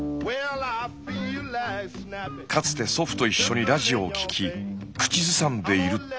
かつて祖父と一緒にラジオを聴き口ずさんでいると。